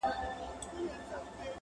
o غر غړې د اوښ عادت دئ٫